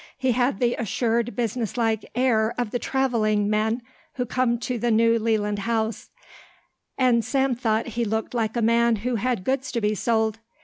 He had the assured business like air of the travelling men who come to the New Leland House, and Sam thought he looked like a man who had goods to be sold.